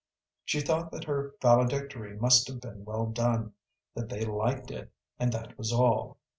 She thought that her valedictory must have been well done, that they liked it, and that was all.